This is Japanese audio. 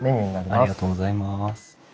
ありがとうございます。